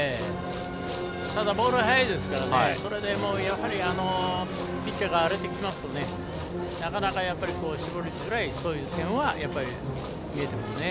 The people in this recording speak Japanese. ただ、ボールが速いですからそれでやはりピッチャーが荒れてきますとなかなか絞りづらいというのは見えてきますね。